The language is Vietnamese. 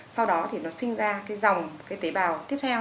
sau đó thì nó sinh ra cái dòng cái tế bào tiếp theo